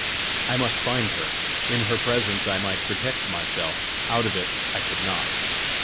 I must find her: in her presence I might protect myself; out of it I could not!